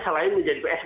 selain menjadi psk